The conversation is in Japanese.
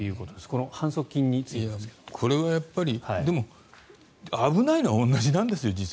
この反則金についてですが。これはでも、危ないのは同じなんです。